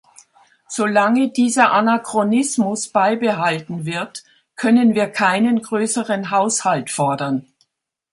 So lange dieser Anachronismus beibehalten wird, können wir keinen größeren Haushalt fordern.